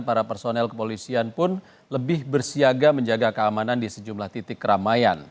para personel kepolisian pun lebih bersiaga menjaga keamanan di sejumlah titik keramaian